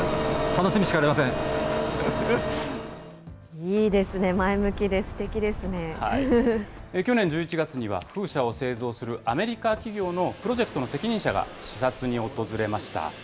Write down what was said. いいですね、去年１１月には、風車を製造するアメリカ企業のプロジェクトの責任者が視察に訪れました。